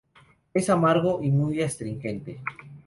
Es amargo y muy astringente.